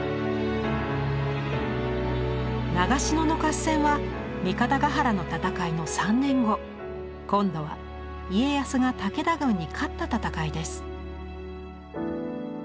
長篠の合戦は三方ヶ原の戦いの３年後今度は家康が武田軍に勝った戦いです。